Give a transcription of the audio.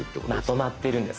まとまってるんです。